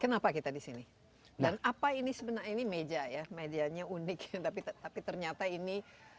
kenapa kita di sini dan apa ini sebenarnya ini meja ya medianya unik tapi tapi ternyata ini